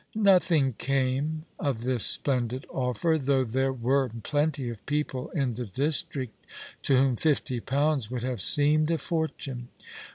Nothing came of this splendid offer, though there were plenty of people in the district to whom fifty pounds would have seemed a fortune.